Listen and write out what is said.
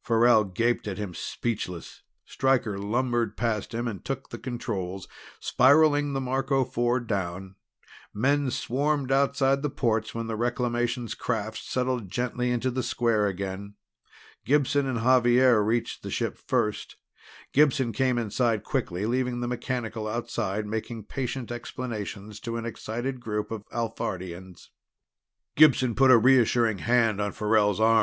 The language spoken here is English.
Farrell gaped at him, speechless. Stryker lumbered past him and took the controls, spiraling the Marco Four down. Men swarmed outside the ports when the Reclamations craft settled gently to the square again. Gibson and Xavier reached the ship first; Gibson came inside quickly, leaving the mechanical outside making patient explanations to an excited group of Alphardians. Gibson put a reassuring hand on Farrell's arm.